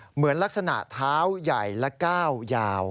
เหมือนลักษณะเท้าใหญ่และก้าวยาว